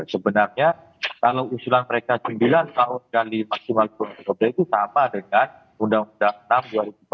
sebenarnya kalau usulan mereka sembilan tahun sekali maksimal dua periode itu sama dengan undang undang enam dua ribu empat belas